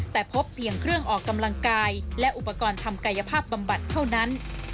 แต่พบเพียงเครื่องออกกำลังกายและอุปกรณ์ทำกายภาพบำบัดเท่านั้น